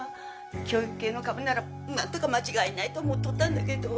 教育系の株なら何とか間違いないと思っとったんだけど。